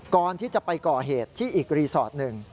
ก่อนที่จะไปก่อเหตุที่อีกรีสอร์ทหนึ่ง